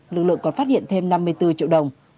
lực lượng còn phát hiện thêm năm mươi bốn triệu đồng